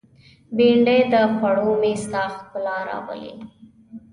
بېنډۍ د خوړو مېز ته ښکلا راولي